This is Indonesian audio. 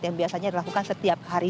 yang biasanya dilakukan setiap hari